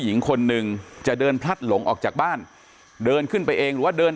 หญิงคนหนึ่งจะเดินพลัดหลงออกจากบ้านเดินขึ้นไปเองหรือว่าเดิน